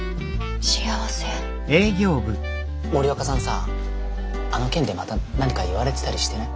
森若さんさあの件でまた何か言われてたりしてない？